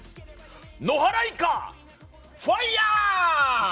野原一家、ファイヤー！